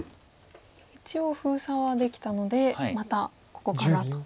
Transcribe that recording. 一応封鎖はできたのでまたここからと。